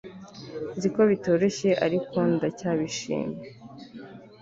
nzi ko bitoroshye ariko ndacyabishimye